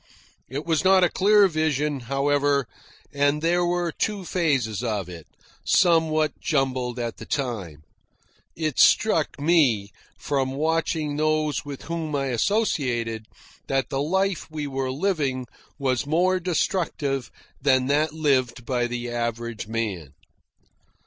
It was not a clear vision, however, and there were two phases of it, somewhat jumbled at the time. It struck me, from watching those with whom I associated, that the life we were living was more destructive than that lived by the average man.